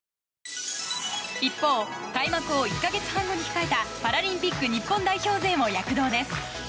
一方開幕を１か月半後に控えたパラリンピック日本代表勢も躍動です。